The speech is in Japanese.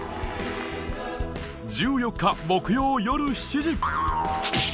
１４日木曜よる７時